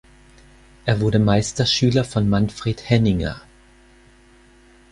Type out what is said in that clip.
Er wurde Meisterschüler von Manfred Henninger.